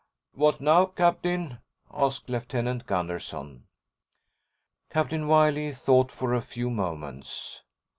"What now, Captain?" asked Lieutenant Gunderson. Captain Wiley thought for a few seconds.